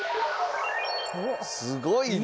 すごいな。